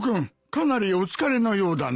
かなりお疲れのようだな。